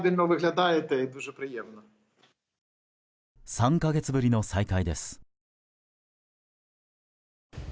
３か月ぶりの再会です。